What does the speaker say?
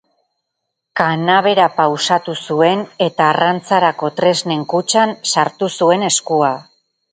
Kanabera pausatu zuen eta arrantzarako tresnen kutxan sartu zuen eskua.